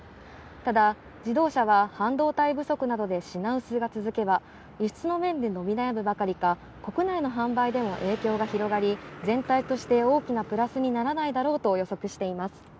ただ自動車は半導体不足などで品薄が続けば、輸出の面で伸び悩むばかりか国内の販売でも影響が広がり全体として大きなプラスにならないだろうと予測しています。